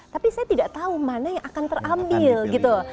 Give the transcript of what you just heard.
tapi saya tidak tahu mana yang akan terambil gitu